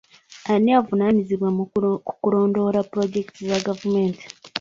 Ani avunaanyizibwa ku kulondoola pulojekiti za gavumenti?